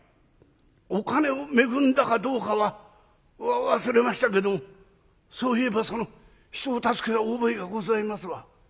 お金を恵んだかどうかは忘れましたけどそういえばその人を助けた覚えがございますわ」。